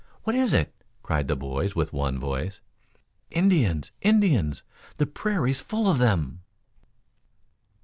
What is it?" cried the boys with one voice. "Indians! Indians! The prairie's full of them!"